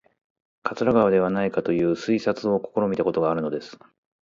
桂川ではないかという推察を試みたことがあるのです